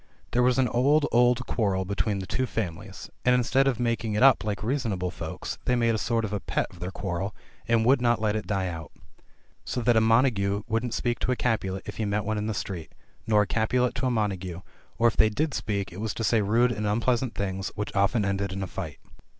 There was an old, old quarrel between the two families, and instead of making it up like reasonable folks, they made a sort of a pet of their quarrel, and would not let it die out. So that a Montagu wouldn't speak to a Capulet if he met one in the street — nor a Capulet to a Montagu — or if they did speak, it was to say rude and unpleasant things, which often ended in a fight.